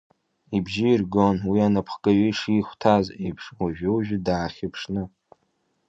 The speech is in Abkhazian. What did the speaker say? Ибжьы иргон уи анапхгаҩы ишихәҭаз еиԥш, уажәы-уажәы даахьаԥшны.